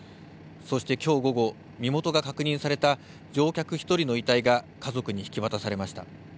そして、きょう午後身元が確認された乗客１人の遺体が家族に引き渡されました。